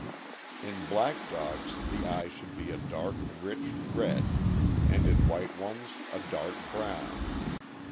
In black dogs the eyes should be a dark, rich red, and in white ones a dark brown.